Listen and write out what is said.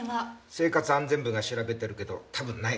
生活安全部が調べてるけど多分ない。